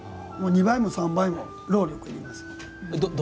２倍も３倍も、労力いります。